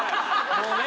もうね。